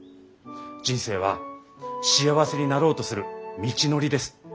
人生は幸せになろうとする道のりです。